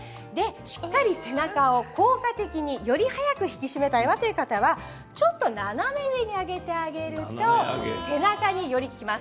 しっかり背中を効果的により早く引き締めたいわという方はちょっと斜めに上げてあげると背中により効きます。